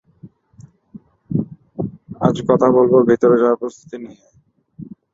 আজ কথা বলব ভিতরে যাওয়ার প্রস্তুতি নিয়ে।